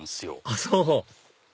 あっそう